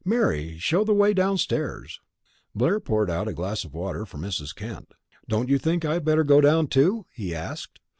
Mary, show the way downstairs." Blair poured out a glass of water for Mrs. Kent. "Don't you think I had better go down, too?" he asked.